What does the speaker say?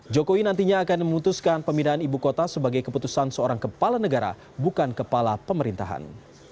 jokowi nantinya akan memutuskan pemindahan ibu kota sebagai keputusan seorang kepala negara bukan kepala pemerintahan